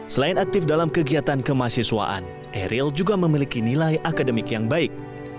selain aktif dalam kegiatan kemahasiswaan eril juga memiliki nilai akademik yang baik